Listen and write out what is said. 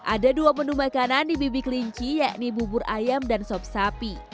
ada dua menu makanan di bibi kelinci yakni bubur ayam dan sop sapi